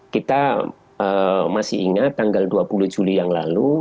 kita masih ingat tanggal dua puluh juli yang lalu